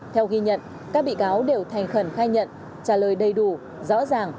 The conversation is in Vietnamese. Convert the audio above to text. theo ghi nhận các bị cáo đều thành khẩn khai nhận trả lời đầy đủ rõ ràng